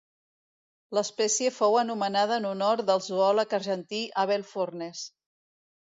L'espècie fou anomenada en honor del zoòleg argentí Abel Fornes.